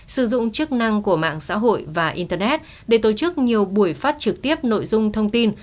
sử dụng chức năng của mạng xã hội và internet để tổ chức nhiều buổi phát trực tiếp nội dung thông tin